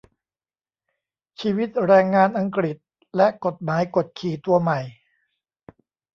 ชีวิตแรงงานอังกฤษ และกฎหมายกดขี่ตัวใหม่